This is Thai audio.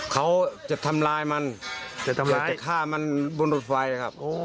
เขาจะทำร้ายมันจะฆ่ามันบนรถไฟครับ